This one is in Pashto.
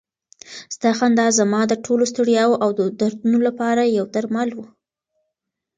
ستا خندا زما د ټولو ستړیاوو او دردونو لپاره یو درمل و.